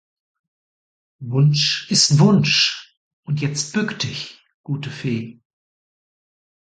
Wunsch ist Wunsch, und jetzt bück dich gute Fee.